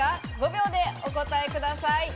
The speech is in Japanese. ５秒でお答えください。